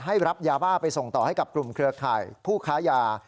รับยาบ้าไปส่งต่อให้กับกลุ่มเครือข่ายผู้ค้ายา